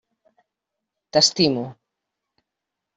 T'estimo.